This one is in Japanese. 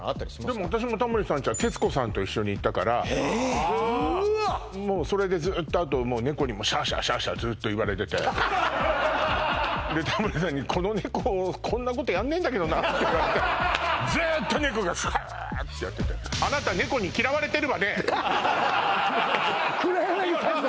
でも私もタモリさんちは徹子さんと一緒に行ったからうーわっもうそれでずっとあと猫にもシャーシャーシャーシャーずっといわれててでタモリさんにこの猫こんなことやんねえんだけどなっていわれてずっと猫がシャーッてやってて黒柳さんが？